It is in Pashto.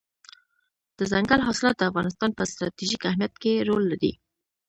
دځنګل حاصلات د افغانستان په ستراتیژیک اهمیت کې رول لري.